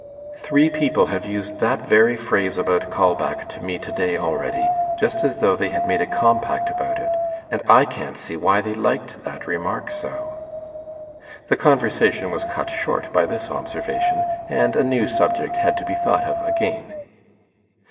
"Three people have used that very phrase about Kaulbach to me today already, just as though they had made a compact about it. And I can't see why they liked that remark so." The conversation was cut short by this observation, and a new subject had to be thought of again.